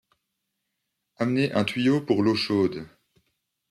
amener un tuyau pour l'eau chaude